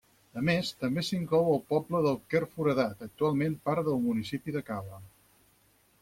A més, també s'hi inclou el poble del Querforadat, actualment part del municipi de Cava.